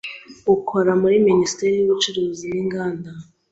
ukora muri Minisiteri y’Ubucuruzi n’Inganda